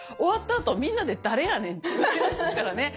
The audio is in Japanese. あとみんなで「誰やねん？」って言ってましたからね。